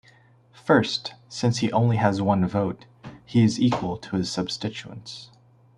First, since he only has one vote, he is equal to his substituents.